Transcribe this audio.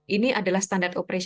ini adalah standar operasi